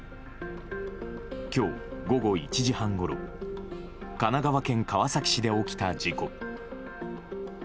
今日午後１時半ごろ神奈川県川崎市で起きた事故。